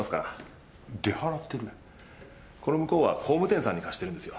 この向こうは工務店さんに貸してるんですよ。